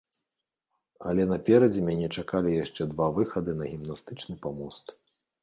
Але наперадзе мяне чакалі яшчэ два выхады на гімнастычны памост.